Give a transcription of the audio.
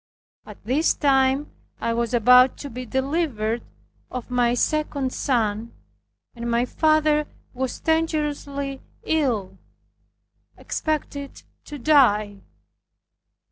At this time I was about to be delivered of my second son, and my father was dangerously ill, expected to die.